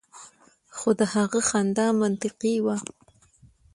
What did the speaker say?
خو د هغه خندا منطقي وه